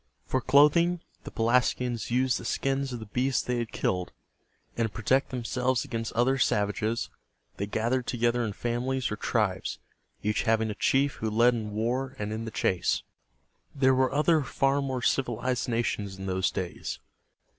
For clothing, the Pelasgians used the skins of the beasts they had killed; and to protect themselves against other savages, they gathered together in families or tribes, each having a chief who led in war and in the chase. There were other far more civilized nations in those days.